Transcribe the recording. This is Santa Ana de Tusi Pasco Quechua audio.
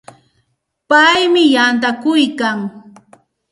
Paymi yantakuykan.